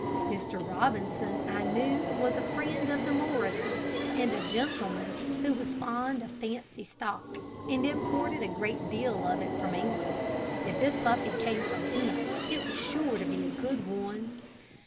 Mr. Robinson I knew was a friend of the Morrises, and a gentleman who was fond of fancy stock, and imported a great deal of it from England. If this puppy came from him, it was sure to be good one.